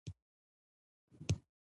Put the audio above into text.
له لمر ختو سره يې پتکونه ډک کړل.